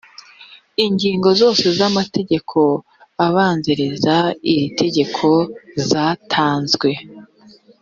ingingo zose z’amategeko abanziriza iri tegeko zatanzwe